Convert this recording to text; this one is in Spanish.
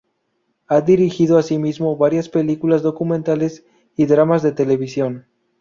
Ha dirigido asimismo varias películas documentales y dramas de televisión.